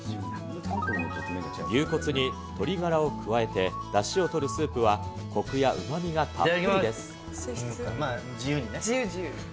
牛骨に鶏がらを加えてだしをとるスープは、こくやうまみがたっ